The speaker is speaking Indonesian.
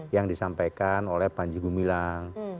yang disampaikan oleh panji gumilang